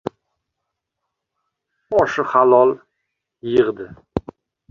Oshi halol yig‘di.